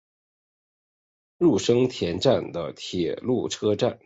入生田站的铁路车站。